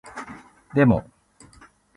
でも